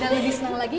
dan lebih senang lagi